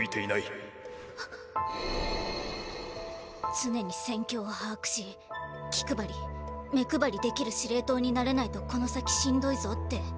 常に戦況を把握し気配り目配りできる司令塔になれないとこの先しんどいぞって。